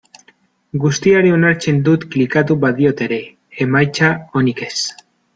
Guztiari onartzen dut klikatu badiot ere, emaitza onik ez.